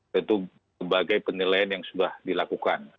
tentu sebagai penilaian yang sudah dilakukan